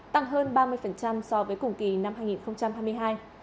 tăng hơn ba mươi so với cùng kỳ